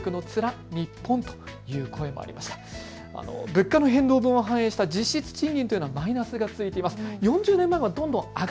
物価の変動を反映した実質賃金はマイナスが続いてます。